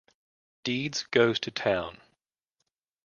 Deeds Goes to Town.